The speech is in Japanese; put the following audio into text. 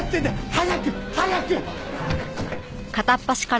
早く早く！